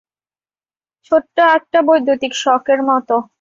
ছোট্ট একটা বৈদ্যুতিক শকের মতো।